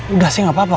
udah sih nggak apa apa